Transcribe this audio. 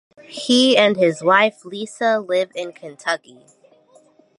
He and his wife, Lisa, live in Kentucky.